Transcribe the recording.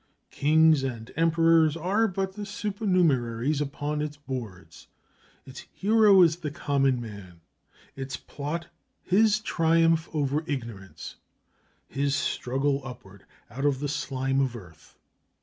Kings and emperors are but the supernumeraries upon its boards; its hero is the common man, its plot his triumph over ignorance, his struggle upward out of the slime of earth.